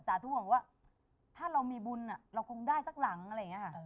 สาธุจะรู้ว่าถ้าเรามีบุญเราก็ได้ซักหลังรึงงี้ค่ะ